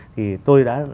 thì tôi đã